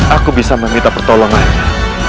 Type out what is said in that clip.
aku bisa meminta pertolongannya